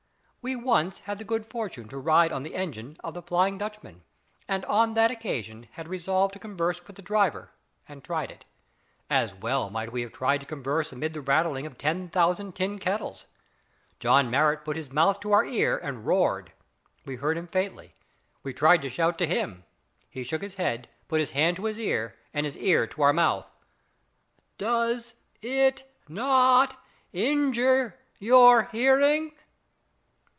We once had the good fortune to ride on the engine of the "Flying Dutchman," and on that occasion had resolved to converse with the driver, and tried it. As well might we have tried to converse amid the rattling of ten thousand tin kettles! John Marrot put his mouth to our ear and roared. We heard him faintly. We tried to shout to him; he shook his head, put his hand to his ear, and his ear to our mouth. "Does it not injure your hearing?"